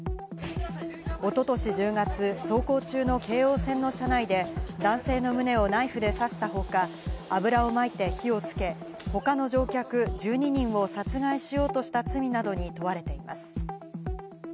おととし１０月、走行中の京王線の車内で男性の胸をナイフで刺したほか、油をまいて火をつけ、他の乗客１２人を殺害しようとした罪などに問われています。